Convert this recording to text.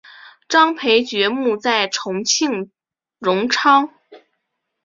张培爵墓在重庆荣昌。